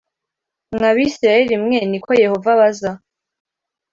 mwa Bisirayeli mwe ni ko Yehova abaza